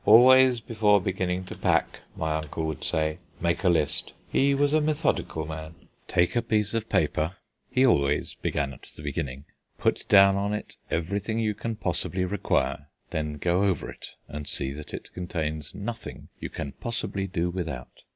"Always before beginning to pack," my Uncle would say, "make a list." He was a methodical man. "Take a piece of paper" he always began at the beginning "put down on it everything you can possibly require, then go over it and see that it contains nothing you can possibly do without.